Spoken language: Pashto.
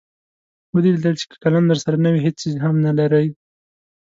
ودې لیدل چې که قلم درسره نه وي هېڅ څیز هم نلرئ.